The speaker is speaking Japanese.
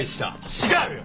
違うよ！